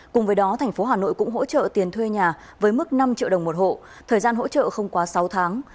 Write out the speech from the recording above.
cùng với đó thành phố hà nội cũng hỗ trợ tiền thuê nhà với mức năm triệu đồng một hộ thời gian hỗ trợ không quá sáu tháng